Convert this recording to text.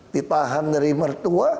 ditahan dari mertua